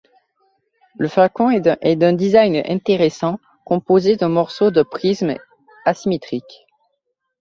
Le flacon est d'un design intéressant, composé de morceaux de prismes asymétriques.